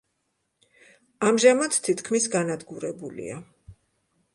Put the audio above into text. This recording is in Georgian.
ამჟამად თითქმის განადგურებულია.